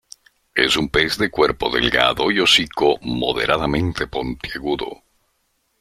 Es un pez de cuerpo delgado y hocico moderadamente puntiagudo.